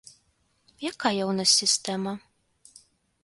Якая ў нас сістэма?